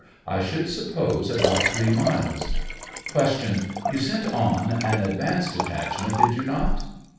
I should suppose about th"ree miles. Q. You sent on an a,dvance detachment ; did yon not?